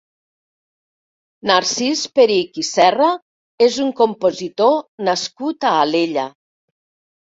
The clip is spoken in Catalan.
Narcís Perich i Serra és un compositor nascut a Alella.